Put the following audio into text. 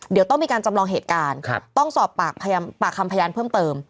เดี๋ยวต้องมีการจำลองเหตุการณ์ต้องสอบปากคำพยานเพิ่มเติม